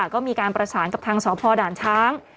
ก็มีการประสานกับทางสพด่านช้าง